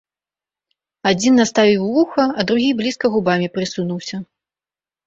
Адзін наставіў вуха, а другі блізка губамі прысунуўся.